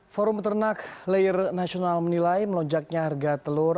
forum ternak layer nasional menilai melonjaknya harga telur